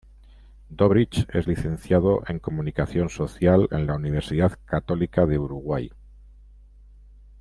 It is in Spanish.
Dobrich es licenciado en Comunicación Social en la Universidad Católica del Uruguay.